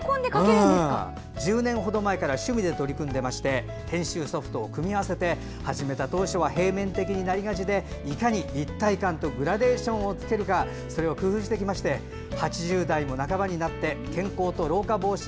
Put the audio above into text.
１０年程前から趣味で取り組んでまして編集ソフトを組み合わせて始めた当初は平面的になりがちでいかに立体感とグラデーションをつけるか工夫してきまして８０代も半ばになって健康と老化防止。